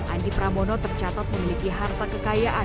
andi pramono tercatat memiliki harta kekayaan